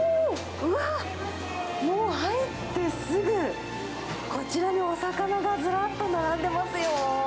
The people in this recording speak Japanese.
うわっ、もう入ってすぐ、こちらにお魚がずらーっと並んでますよ。